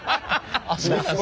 あっそうなんですか。